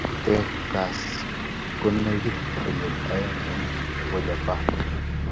Texas ko nekit konyil aeng eng nebo Japan